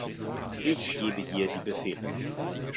Ich gebe hier die Befehle.